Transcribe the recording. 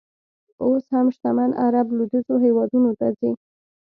اوس هم شتمن عر ب لویدیځو هېوادونو ته ځي.